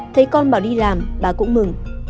thấy con bảo đi làm bà cũng mừng